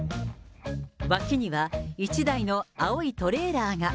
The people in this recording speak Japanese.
脇には１台の青いトレーラーが。